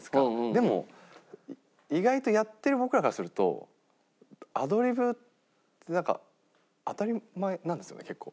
でも意外とやってる僕らからするとアドリブってなんか当たり前なんですよね結構。